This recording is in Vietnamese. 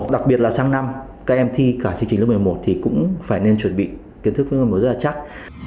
đặc biệt là sáng năm các em thi cả chương trình lớp một mươi một thì cũng phải nên chuẩn bị kiến thức với mối rất là chắc